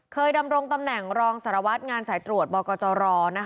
เคยดำลงตำแหน่งรองศรวจงานสายตรวจบกร